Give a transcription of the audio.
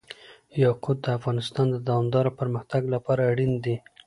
یاقوت د افغانستان د دوامداره پرمختګ لپاره اړین دي.